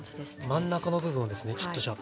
真ん中の部分をですねちょっとじゃあ。